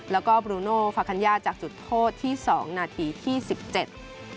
แล้วก็บรูโนฟาคัญญาจากจุดโทษที่สองนาทีที่สิบเจ็ด